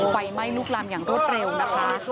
ไฟไหม้ลุกลามอย่างรวดเร็วนะคะ